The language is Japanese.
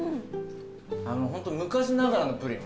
ホント昔ながらのプリン。